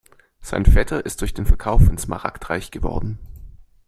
Sein Vetter ist durch den Verkauf von Smaragd reich geworden.